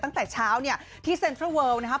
ตั้งแต่เช้าเนี่ยที่เซ็นทรัลเวิลนะครับ